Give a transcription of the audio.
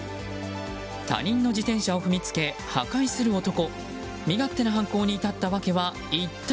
他人の自転車を踏みつけ破壊する男。